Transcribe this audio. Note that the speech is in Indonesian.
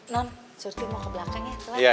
non suruh tim mau ke belakang ya